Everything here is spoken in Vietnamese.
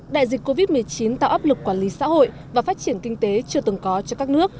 đại dịch covid một mươi chín tạo áp lực quản lý xã hội và phát triển kinh tế chưa từng có cho các nước